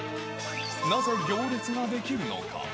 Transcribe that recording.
なぜ行列ができるのか？